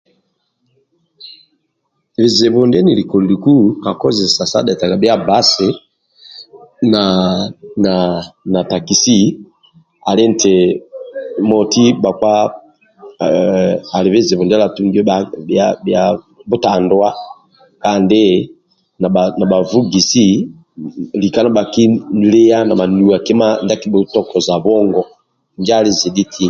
Bizibu ndie nili koliliku kakozesa sa dhetaga bhia basi na takisi ali nti ali nti moti bhakpa ali bizibu ndia ala tungio tabhi butanduwa kandibna bhavugi siblika nibhakilia na nuwa kima ndia akibhutokoza bwongo injo ali zidhi ti